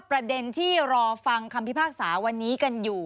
ประเด็นที่รอฟังคำพิพากษาวันนี้กันอยู่